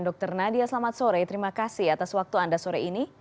dr nadia selamat sore terima kasih atas waktu anda sore ini